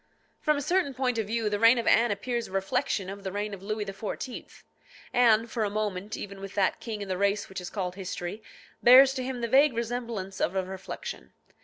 From a certain point of view, the reign of Anne appears a reflection of the reign of Louis XIV. Anne, for a moment even with that king in the race which is called history, bears to him the vague resemblance of a reflection.